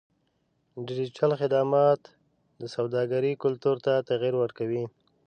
ډیجیټل خدمات د سوداګرۍ کلتور ته تغیر ورکوي.